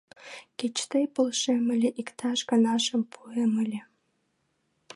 Кеч тый полшем ыле, иктаж каҥашым пуэм ыле...